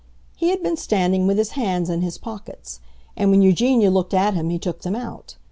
He had been standing with his hands in his pockets; and when Eugenia looked at him he took them out.